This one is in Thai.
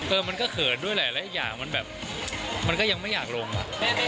มันก็เขินด้วยหลายอย่างมันแบบมันก็ยังไม่อยากลงอ่ะ